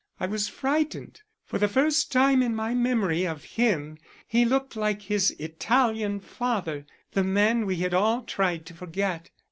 "I was frightened. For the first time in my memory of him he looked like his Italian father, the man we had all tried to forget.